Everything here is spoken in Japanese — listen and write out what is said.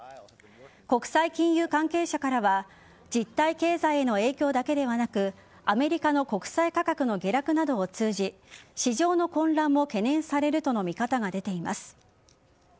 国際金融関係者からは実体経済への影響だけでなくアメリカの国債価格の下落などを通じ市場の混乱も懸念されるとの見方が出ています。